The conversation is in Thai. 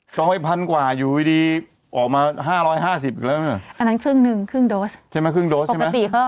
ต่อไปพันตกอยู่ออกมา๕๕๐อีกแล้ว